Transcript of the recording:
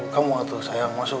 kamu atuh sayang masuk